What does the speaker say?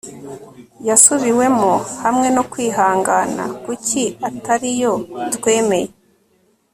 yasubiwemo hamwe no kwihangana. kuki ari iyo twemeye